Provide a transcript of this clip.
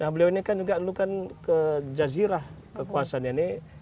beliau ini kan juga dulu ke jazirah kekuasaannya ini